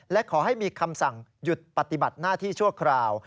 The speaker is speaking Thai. และขอให้มีคำสั่งหยุดปฏิบัติหน้าที่ชั่วคราว